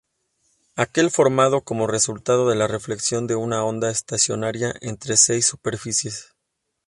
Aquel formado como resultado de la reflexión de una onda estacionaria entre seis superficies.